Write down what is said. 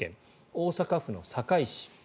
大阪府の堺市。